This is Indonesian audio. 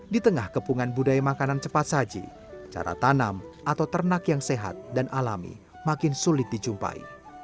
di tengah kepungan budaya makanan cepat saji cara tanam atau ternak yang sehat dan alami makin sulit dijumpai